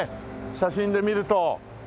写真で見ると。